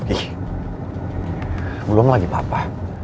ih belum lagi papa